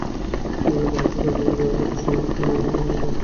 এঁদের মধ্যে হাসপাতাল থেকে বের করার সময়ই শামীম হোসেন মারা যান।